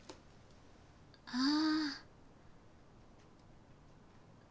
ああ。